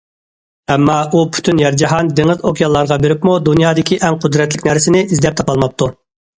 ئەمما ئۇ پۈتۈن يەر- جاھان، دېڭىز- ئوكيانلارغا بېرىپمۇ دۇنيادىكى ئەڭ قۇدرەتلىك نەرسىنى ئىزدەپ تاپالماپتۇ.